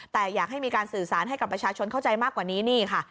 แต่อยากให้มีการสื่อสารให้กับประชาชนเข้าใจมากกว่านี้นี่ค่ะ